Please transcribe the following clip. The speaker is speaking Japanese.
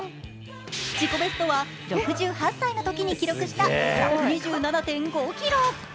自己ベストは６８歳のときに記録した１２７．５ｋｇ。